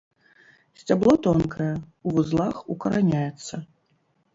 Сцябло тонкае, у вузлах укараняецца.